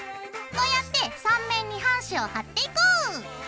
こうやって３面に半紙を貼っていこう！